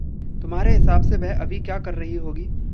तुम्हारे हिसाब से वह अभी क्या कर रही होगी?